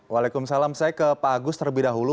waalaikumsalam saya ke pak agus terlebih dahulu